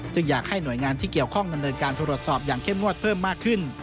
อยากให้หน่วยงานที่เกี่ยวข้องดำเนินการตรวจสอบอย่างเข้มงวดเพิ่มมากขึ้น